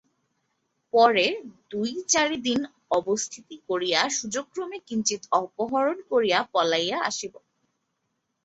পরে দুই চারি দিন অবস্থিতি করিয়া সুযোগক্রমে কিঞ্চিৎ অপহরণ করিয়া পলাইয়া আসিব।